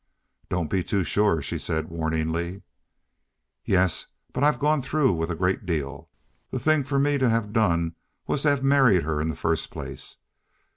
"Don't be too sure," she said warningly. "Yes, but I've gone through with a great deal. The thing for me to have done was to have married her in the first place.